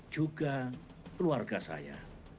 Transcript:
juga keluarga saya